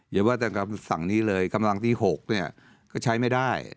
อย่าว่าแต่คำสั่งนี้เลยกำลังที่๖เนี่ยก็ใช้ไม่ได้